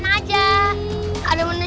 nanti aku makan